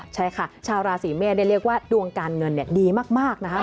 ใช่ค่ะชาวราศีเมษเรียกว่าดวงการเงินดีมากนะคะ